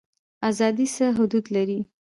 ازادي څه حدود لري؟